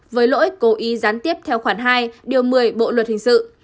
với lỗi cố ý gián tiếp theo khoản hai điều một mươi bộ luật hình sự